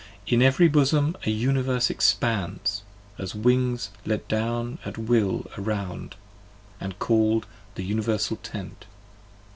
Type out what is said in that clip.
In every bosom a Universe expands, as wings 50 Let down at will around, ahd call'd the Universal Tent.